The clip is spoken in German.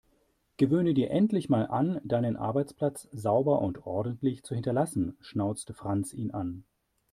Gewöhne dir endlich mal an, deinen Arbeitsplatz sauber und ordentlich zu hinterlassen, schnauzte Franz ihn an.